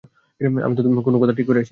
আমি তো কোনো কথা ঠিক করে আসিনি।